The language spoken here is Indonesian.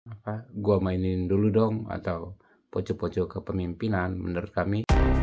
hai apa gua mainin dulu dong atau pocok pocok kepemimpinan menurut kami